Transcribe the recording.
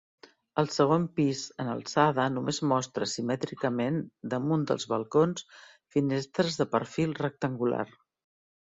El segon pis en alçada només mostra simètricament damunt dels balcons finestres de perfil rectangular.